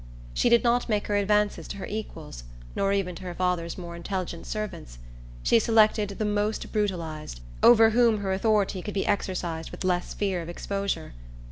She did not make her advances to her equals, nor even to her father's more intelligent servants. She selected the most brutalized, over whom her authority could be exercised with less fear of exposure.